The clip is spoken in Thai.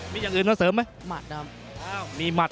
มีอย่างอื่นมาเสริมไหมหมัดดำ